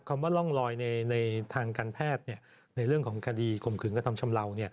ว่าร่องลอยในทางการแพทย์ในเรื่องของคดีข่มขืนกระทำชำเลา